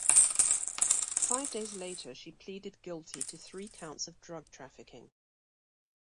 Five days later she pleaded guilty to three counts of drug-trafficking.